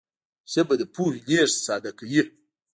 ژبه د پوهې لېږد ساده کوي